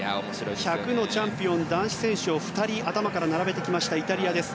１００のチャンピオン男子選手を２人頭から並べてきたイタリアです。